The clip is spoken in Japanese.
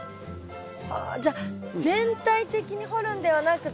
はじゃあ全体的に掘るんではなくて。